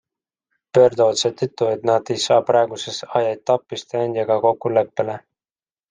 Pöörduvad seetõttu, et nad ei saa praeguses ajaetapis tööandjaga kokkuleppele.